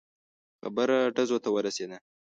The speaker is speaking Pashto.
خبره ډزو ته ورسېده.